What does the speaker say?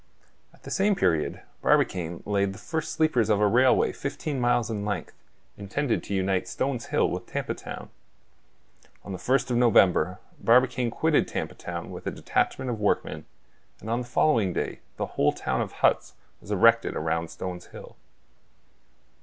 At the same period Barbicane laid the first sleepers of a railway fifteen miles in length, intended to unite Stones Hill with Tampa Town. On the first of November Barbicane quitted Tampa Town with a detachment of workmen; and on the following day the whole town of huts was erected round Stones Hill.